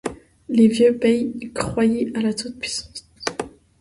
Les vieux payens croyaient à la toute-puissance